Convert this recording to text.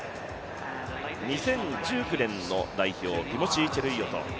２０１９年の代表、ティモシー・チェルイヨト。